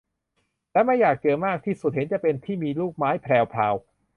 และไม่อยากเจอมากที่สุดเห็นจะเป็น ที่มีลูกไม้แพรวพราว